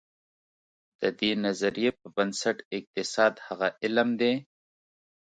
د دې نظریې پر بنسټ اقتصاد هغه علم دی.